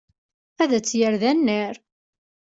Ad tt-yerr d annar.